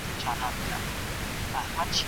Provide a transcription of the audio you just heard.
ایا هوا سړه ده؟